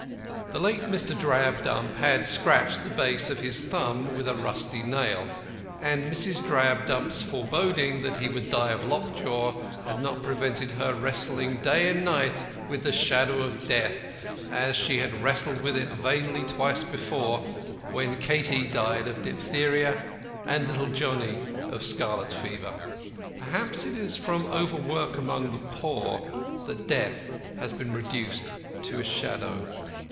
The late Mr. Drabdump had scratched the base of his thumb with a rusty nail, and Mrs. Drabdump's foreboding that he would die of lockjaw had not prevented her wrestling day and night with the shadow of Death, as she had wrestled with it vainly twice before, when Katie died of diphtheria and little Johnny of scarlet fever. Perhaps it is from overwork among the poor that Death has been reduced to a shadow.